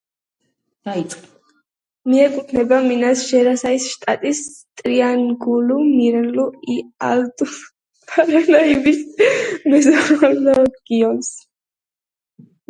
მიეკუთვნება მინას-ჟერაისის შტატის ტრიანგულუ-მინეირუ-ი-ალტუ-პარანაიბის მეზორეგიონს.